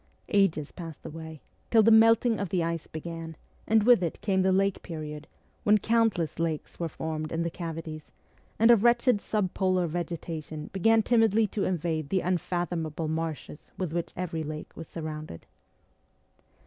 Ages passed away, till the melting of the ice began, and with it came the lake period, when countless lakes were formed in the cavities, and a wretched subpolar vegetation began timidly to invade the unfathomable marshes with which every lake was surrounded.